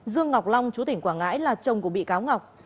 dương ngọc long chú tỉnh quảng ngãi là chồng của bị cáo ngọc